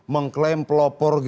mengklaim pelopor g dua puluh